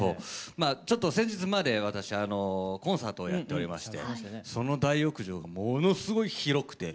ちょっと先日まで私コンサートをやっておりましてその大浴場ものすごい広くて。